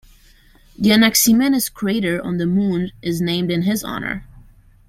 The Anaximenes crater on the Moon is named in his honor.